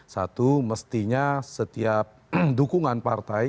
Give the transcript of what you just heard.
satu mestinya setiap dukungan partai